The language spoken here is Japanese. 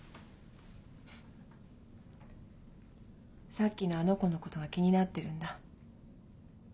さっきのあの子のことが気になってるんだ。